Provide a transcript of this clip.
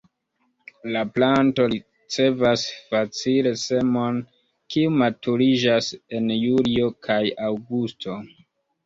La planto ricevas facile semon, kiu maturiĝas en julio kaj aŭgusto.